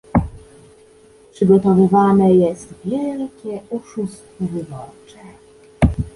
Przygotowywane jest wielkie oszustwo wyborcze